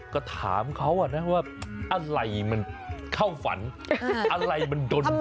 ก็ถามเขานะว่าอะไรมันเข้าฝันอะไรมันดน